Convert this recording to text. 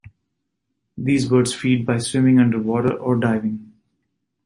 These birds feed by swimming under water or diving.